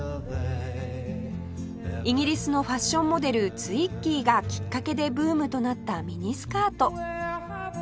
イギリスのファッションモデルツイッギーがきっかけでブームとなったミニスカート